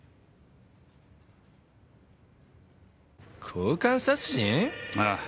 交換殺人？ああ。